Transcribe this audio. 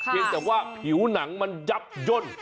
ยังแต่ว่าผิวหนังมันยับย่น